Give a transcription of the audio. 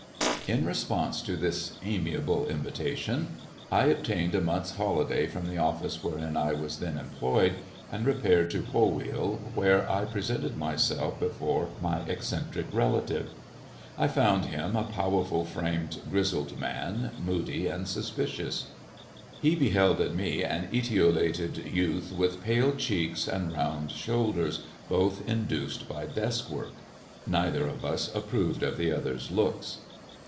In response to this amiable invitation I obtained a month's holiday from the office wherein I was then employed, and repaired to Polwheal, where I presented myself before my eccentric relative. I found him a powerful fraooBdi grizzled man, moody and suspicious: he beheld i^ioeaii etiolated youth with pale cheeks and round shonlclarB^ both induced by desk work. Neither of us approved of the other's looks.